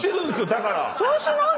だから。